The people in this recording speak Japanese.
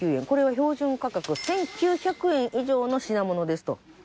これは標準価格１９００円以上の品物ですと。